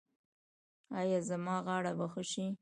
ایا زما غاړه به ښه شي؟